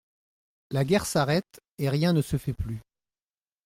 La guerre s'arrête, et rien ne se fait plus.